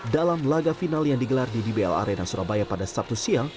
dalam laga final yang digelar di dbl arena surabaya pada sabtu siang